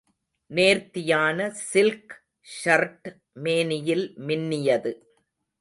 நேர்த்தியான silk shirt மேனியில் மின்னியது.